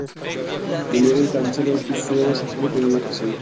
Modigliani tan solo expuso sus obras al público en una ocasión.